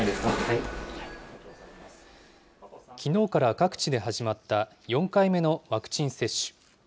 きのうから各地で始まった４回目のワクチン接種。